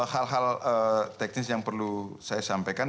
hal hal teknis yang perlu saya sampaikan